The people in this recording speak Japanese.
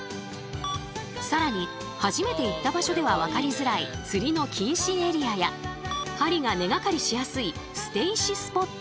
更に初めて行った場所では分かりづらい釣りの禁止エリアや針が根がかりしやすい捨て石スポット。